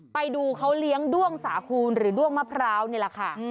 ไปดูเขาเลี้ยงด้วงสาคูณหรือด้วงมะพร้าวนี่แหละค่ะ